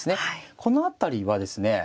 この辺りはですね